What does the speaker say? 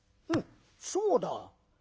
そうだ。